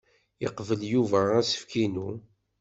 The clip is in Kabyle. Yeqbel Yuba asefk-inu.